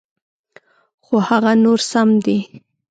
خو هغه نور سم دي.